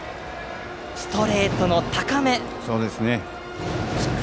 ストレートの高めでした。